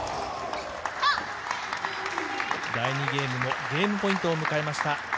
第２ゲームもゲームポイントを迎えました。